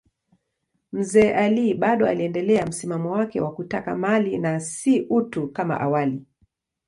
Mzee Ali bado aliendelea msimamo wake wa kutaka mali na si utu kama awali.